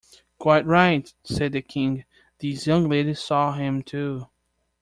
‘Quite right,’ said the King: ‘this young lady saw him too’.